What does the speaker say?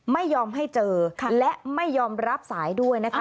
ไม่ยอมให้เจอและไม่ยอมรับสายด้วยนะคะ